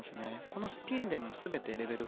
このスピンでも全てレベル